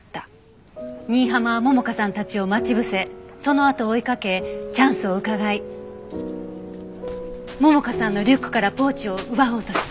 新浜は桃香さんたちを待ち伏せそのあとを追いかけチャンスをうかがい桃香さんのリュックからポーチを奪おうとした。